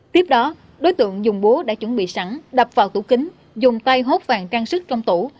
tiếp đó đối tượng dùng búa đã chuẩn bị sẵn đập vào tủ kính dùng tay hốt vàng trang sức trong tủ